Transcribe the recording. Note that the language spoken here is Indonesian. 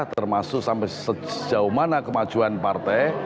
termasuk sampai sejauh mana kemajuan partai